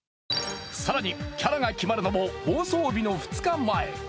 更にキャラが決まるのも放送日の２日前。